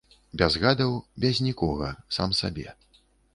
Без гадаў, без нікога, сам сабе.